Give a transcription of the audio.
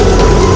itu udah gila